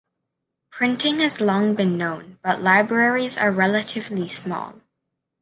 Printing has been long known but libraries are relatively small.